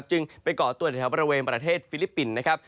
จึงไปเกาะตัวเนื้อแถวบริเวณประเทศฟิลิปปินส์